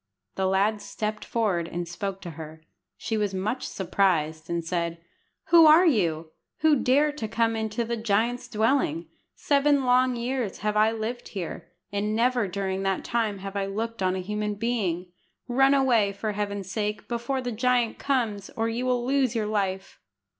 The lad stepped forward and spoke to her. She was much surprised, and said "Who are you, who dare to come into the giant's dwelling? Seven long years have I lived here, and never during that time have I looked on a human being. Run away, for Heaven's sake, before the giant comes, or you will lose your life."